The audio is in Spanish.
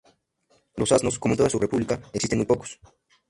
Los asnos, como en toda la república, existen muy pocos.